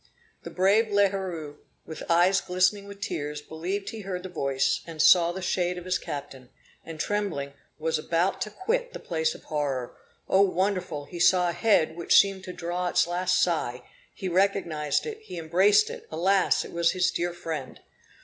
The brave L'Heureux, with eyes glistening with tears, believed he heard the voice, and saw the shade of his captain; and trembling, was about to quit the place of horror; O wonderful! he saw a head which seemed to draw its last sigh, he recognized it, he embraced it, alas! it was his dear friend!